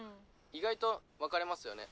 意外とわかれますよね？